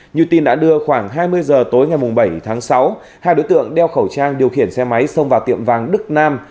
như tin đã đưa khoảng hai mươi giờ tối ngày bảy tháng sáu hai đối tượng đeo khẩu trang điều khiển xe máy xông vào tiệm vàng đức nam